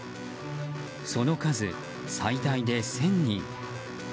その数、最大で１０００人。